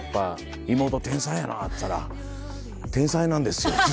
「妹天才やな」って言ったら「天才なんですよ」つって。